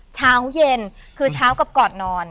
เช้าเย็นคือเช้ากับก่อนนอน